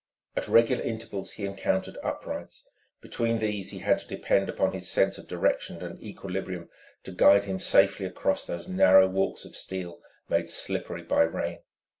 At regular intervals he encountered uprights: between these he had to depend upon his sense of direction and equilibrium to guide him safely across those narrow walks of steel made slippery by rain.